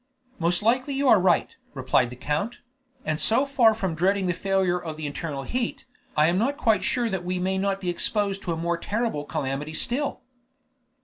"Most likely you are right," replied the count; "and so far from dreading a failure of the internal heat, I am not quite sure that we may not be exposed to a more terrible calamity still?"